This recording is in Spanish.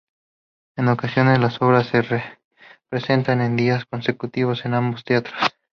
En ocasiones, las obras se representaban, en días consecutivos, en ambos teatros.